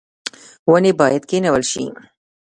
ونې باید کینول شي